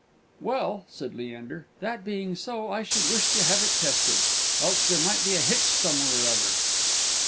"Well," said Leander, "that being so, I should wish to have it tested, else there might be a hitch somewhere or other."